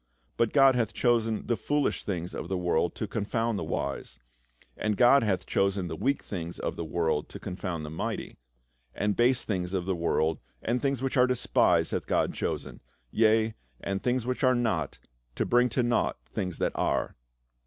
But God hath chosen the foolish things 350 PA UL. of the world to confound the wise ; and God hath chosen the weak things of the world to confound the mighty ; and base things of the world, and things which are despised, hath God chosen — yea, and things which are not, to bring to nought things that are."